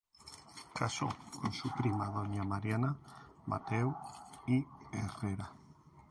Casó con su prima Doña Mariana Matheu y Herrera.